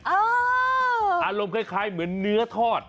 อารมณ์คล้ายเหมือนเนื้อทอด